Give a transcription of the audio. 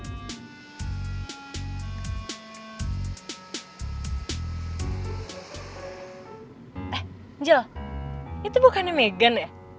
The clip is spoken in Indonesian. eh angel itu bukannya megan ya